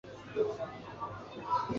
刘锡华为台湾男性配音员。